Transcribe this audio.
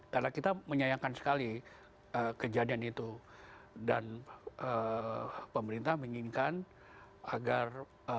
karena kita menyayangkan sekali kejadian itu dan pemerintah menginginkan agar proses